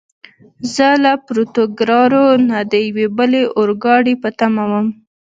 زه له پورتوګرارو نه د یوې بلې اورګاډي په تمه ووم.